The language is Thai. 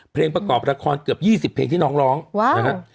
เพลงประกอบละครเกือบ๒๐เพลงที่น้องร้องนะครับ